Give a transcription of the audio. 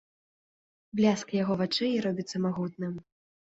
Бляск яго вачэй робіцца магутным.